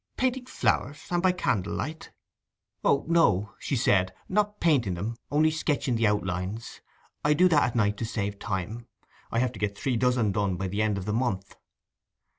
—painting flowers, and by candlelight?' 'O no,' she said, 'not painting them—only sketching the outlines. I do that at night to save time—I have to get three dozen done by the end of the month.